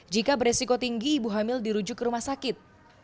jika beresiko tinggi ibu hamil dirujuk ke rumah sakit